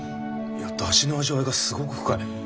いや出汁の味わいがすごく深い。